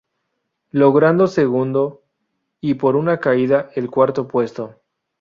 Logrando segundo y, por una caída, el cuarto puesto.